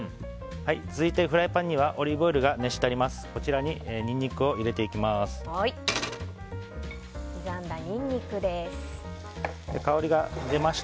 続いて、フライパンにはオリーブオイルが熱してあります。